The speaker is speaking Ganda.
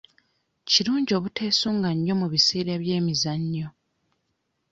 Kirungi obuteesunga nnyo mu biseera by'emizannyo.